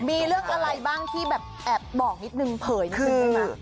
มีเรื่องอะไรบ้างที่แบบแอบบอกนิดนึงเผยนิดนึงได้ไหม